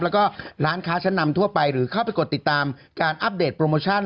แล้วก็ร้านค้าชั้นนำทั่วไปหรือเข้าไปกดติดตามการอัปเดตโปรโมชั่น